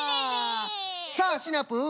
さあシナプー